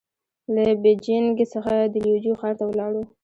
له بېجينګ څخه د ليوجو ښار ته ولاړو.